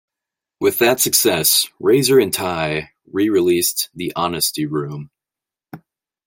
With that success, Razor and Tie re-released "The Honesty Room".